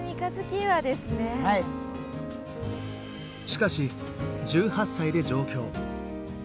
しかし１８歳で上京。